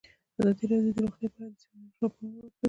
ازادي راډیو د روغتیا په اړه د سیمینارونو راپورونه ورکړي.